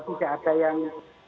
tidak ada yang